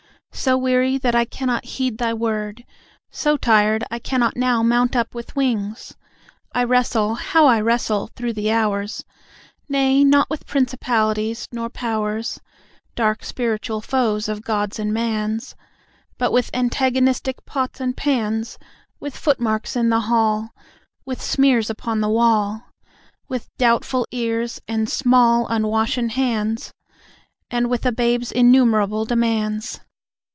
So weary that I cannot heed Thy word; So tired, I cannot now mount up with wings. I wrestle how I wrestle! through the hours. Nay, not with principalities, nor powers Dark spiritual foes of God's and man's But with antagonistic pots and pans: With footmarks in the hall, With smears upon the wall, With doubtful ears, and small unwashen hands, And with a babe's innumerable demands.